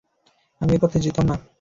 আমি ঐ পথে যেতাম না।